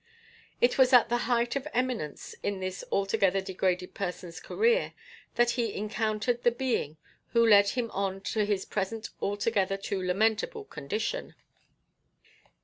It was at the height of eminence in this altogether degraded person's career that he encountered the being who led him on to his present altogether too lamentable condition.